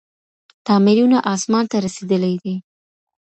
تعميرونه اسمان ته رسېدلي دي.